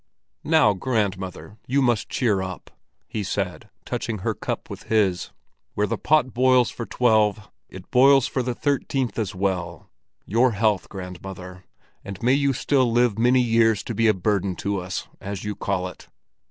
"Now, grandmother, you must cheer up!" he said, touching her cup with his. "Where the pot boils for twelve, it boils for the thirteenth as well. Your health, grandmother, and may you still live many years to be a burden to us, as you call it!"